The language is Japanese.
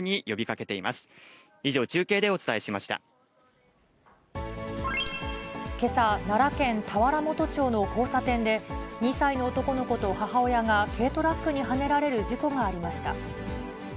けさ、奈良県田原本町の交差点で、２歳の男の子と母親が軽トラックにはねられる事故がありました。